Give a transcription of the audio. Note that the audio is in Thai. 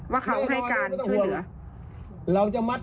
ว่าเขาให้การช่วยเหลือไม่ต้องห่วงเราจะมัด